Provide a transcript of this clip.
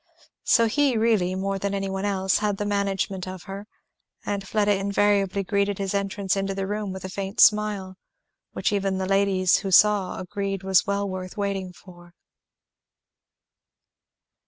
So he really, more than any one else, had the management of her; and Fleda invariably greeted his entrance into the room with a faint smile, which even the ladies who saw agreed was well worth working for.